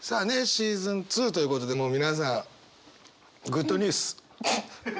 シーズン２ということでもう皆さんグッドニュース。